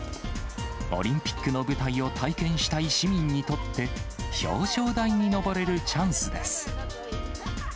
オリンピックの舞台を体験したい市民にとって、表彰台に上れるチャンスです。